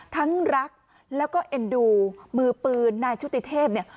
ทั้งรักแล้วก็เอ็นดูมือปืนนายชุติเทพเนี่ย